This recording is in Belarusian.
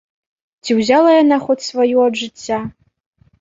Ці ўзяла яна хоць сваё ад жыцця?